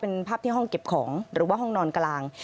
เป็นภาพที่ห้องเก็บของหรือว่าห้องนอนกลาง